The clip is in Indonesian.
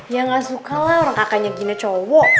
ya gak suka lah orang kakaknya gina cowok